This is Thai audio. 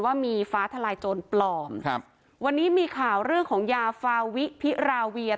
ว่ามีฟ้าทลายโจรปลอมครับวันนี้มีข่าวเรื่องของยาฟาวิพิราเวีย